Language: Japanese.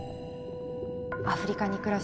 アフリカに暮らし